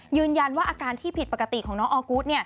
ยืนยันว่าอาการที่ผิดปกติของน้องออกูธ